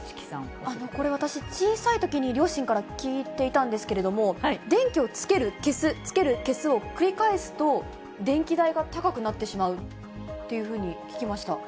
これ私、小さいときに両親から聞いていたんですけれども、電気をつける、消す、つける、消すを繰り返すと、電気代が高くなってしまうっていうことを聞きました。